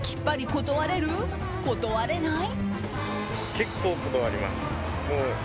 断れない？